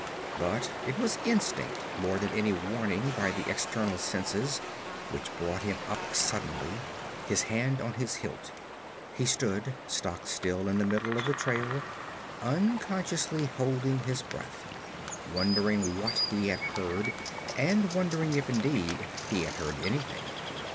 But it was instinct more than any warning by the external senses which brought him up suddenly, his hand on his hilt. He stood stock still in the middle of the trail, unconsciously holding his breath, wondering what he had heard, and wondering if indeed he had heard anything.